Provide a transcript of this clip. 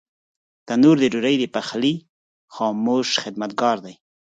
تنور د ډوډۍ د پخلي خاموش خدمتګار دی